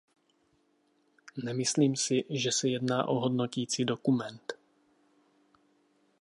Nemyslím, si, že se jedná o hodnotící dokument.